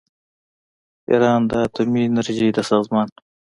ایران د اتومي انرژۍ د سازمان